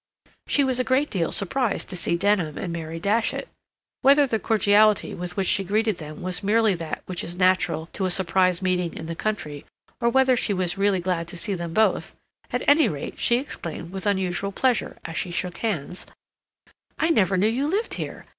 She was a great deal surprised to see Denham and Mary Datchet. Whether the cordiality with which she greeted them was merely that which is natural to a surprise meeting in the country, or whether she was really glad to see them both, at any rate she exclaimed with unusual pleasure as she shook hands: "I never knew you lived here.